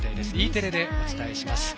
Ｅテレでお伝えします。